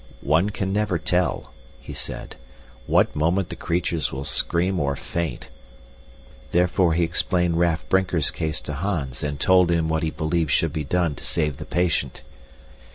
"One can never tell," he said, "what moment the creatures will scream or faint." Therefore he explained Raff Brinker's case to Hans and told him what he believed should be done to save the patient.